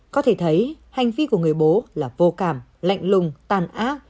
có thể thấy hành vi của người bố là vô cảm lạnh lùng tàn ác